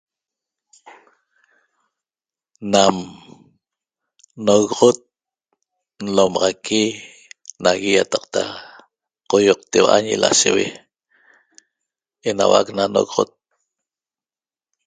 Nam nogoxot nlomaxaqui nagui iataqta qoioqteua na lasheue enauac na nogoxot.